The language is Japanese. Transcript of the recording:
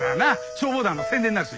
消防団の宣伝になるし。